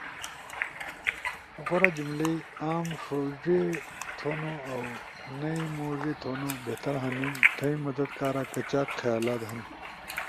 غورا جملئی، عام ݜوڙی تھونو اؤ نئی موڙی تھونو بہتر ہنو۔ تھئی مدد کارا کچاک خیالات ہنی۔